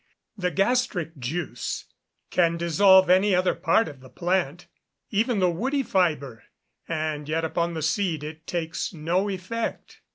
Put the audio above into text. The gastric juice can dissolve any other part of the plant, even the woody fibre, and yet upon the seed it takes no effect.